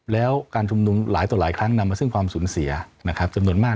แล้วการชุมนุมหลายต่อหลายครั้งนำมาซึ่งความสูญเสียนะครับจำนวนมาก